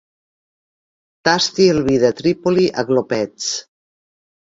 Tasti el vi de Trípoli a glopets.